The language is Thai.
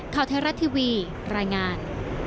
ข่าวเทศรัตน์ทีวีรายงาน